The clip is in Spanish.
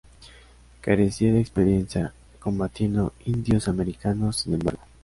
Carecía de experiencia combatiendo indios americanos, sin embargo.